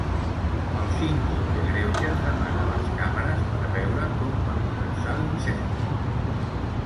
El síndic de greuges demana les càmeres per veure com va començar l'incendi.